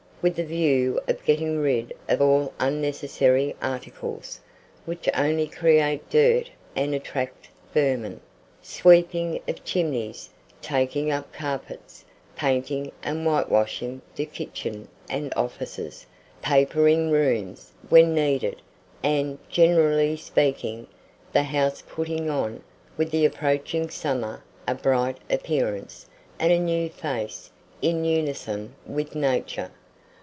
with a view of getting rid of all unnecessary articles, which only create dirt and attract vermin; sweeping of chimneys, taking up carpets, painting and whitewashing the kitchen and offices, papering rooms, when needed, and, generally speaking, the house putting on, with the approaching summer, a bright appearance, and a new face, in unison with nature.